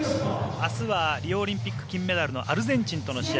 明日はリオオリンピック金メダルのアルゼンチンとの試合。